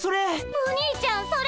お兄ちゃんそれ！